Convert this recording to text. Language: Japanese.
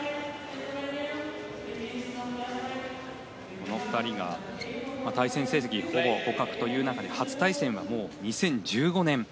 この２人は対戦成績ほぼ互角という中で初対戦は２０１５年。